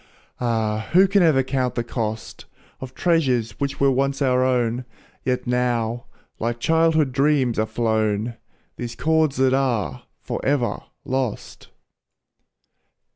Ah! who can ever count the cost, Of treasures which were once our own, Yet now, like childhood dreams are flown, Those cords that are forever lost.